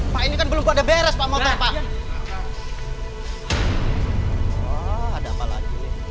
pak ini kan belum ada beres pak